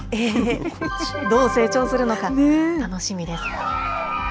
どう成長するのか楽しみです。